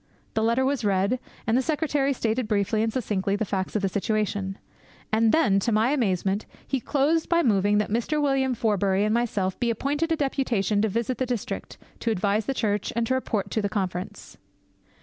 The letter was read; and the secretary stated briefly and succinctly the facts of the situation. And then, to my amazement, he closed by moving that Mr. William Forbury and myself be appointed a deputation to visit the district, to advise the church, and to report to Conference.